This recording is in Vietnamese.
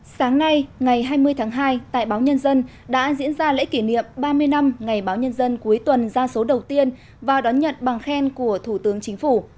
sáng nay ngày hai mươi tháng hai tại báo nhân dân đã diễn ra lễ kỷ niệm ba mươi năm ngày báo nhân dân cuối tuần ra số đầu tiên và đón nhận bằng khen của thủ tướng chính phủ